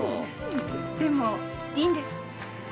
でもいいんです。